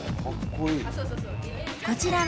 こちらは